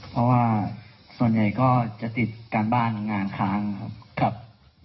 เพราะว่าส่วนใหญ่ก็จะติดการบ้านงานค้างครับ